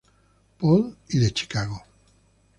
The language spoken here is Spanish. Paul y de Chicago.